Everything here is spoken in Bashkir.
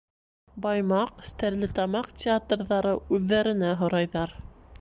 Баймаҡ, Стәрлетамаҡ театрҙары үҙҙәренә һорайҙар.